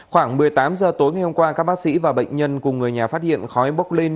khoảng một mươi tám h tối ngày hôm qua các bác sĩ và bệnh nhân cùng người nhà phát hiện khói bốc lên